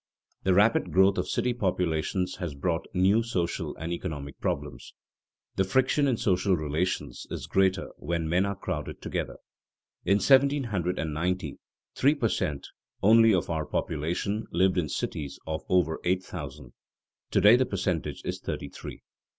_ The rapid growth of city populations has brought new social and economic problems. The friction in social relations is greater when men are crowded together. In 1790, three per cent. only of our population lived in cities of over eight thousand; to day the percentage is thirty three.